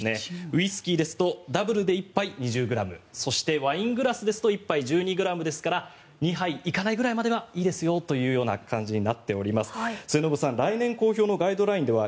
ウイスキーですとダブルで１杯２０ｇそして、ワイングラスですと１杯１２ｇですから２杯行かないぐらいまではいいですよという感じです。